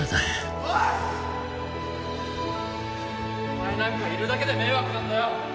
お前なんかいるだけで迷惑なんだよ。